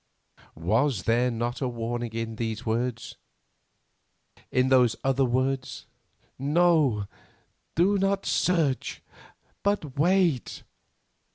Was there not a warning in these words, and in those other words: "No, do not search, but wait."